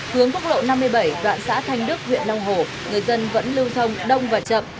hướng quốc lộ năm mươi bảy đoạn xã thanh đức huyện long hồ người dân vẫn lưu thông đông và chậm